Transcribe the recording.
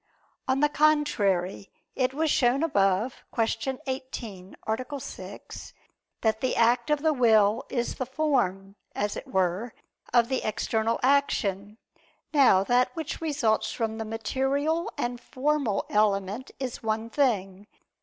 On the contrary, It was shown above (Q. 18, A. 6) that the act of the will is the form, as it were, of the external action. Now that which results from the material and formal element is one thing.